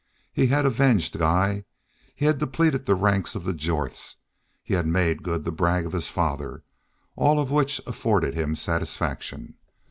He had avenged Guy, he had depleted the ranks of the Jorths, he had made good the brag of his father, all of which afforded him satisfaction.